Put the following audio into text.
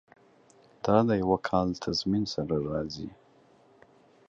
دا د یو کال تضمین سره راځي.